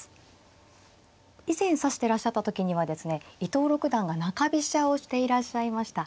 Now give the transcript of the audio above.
以前指してらっしゃった時にはですね伊藤六段が中飛車をしていらっしゃいました。